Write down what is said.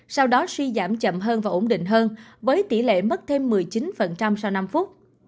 sau đó suy giảm chậm hơn và ổn định hơn với tỷ lệ mất thêm một mươi chín sau năm phút